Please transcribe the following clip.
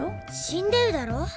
死んでるだろ